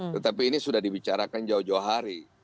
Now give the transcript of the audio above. tetapi ini sudah dibicarakan jauh jauh hari